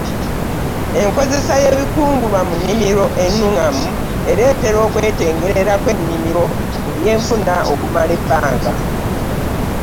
Enkozesa y’ebikungulwa mu nnimiro ennungamu ereetera okw’etengerera kw’ennimiro mu by’enfuna okumala ebbanga.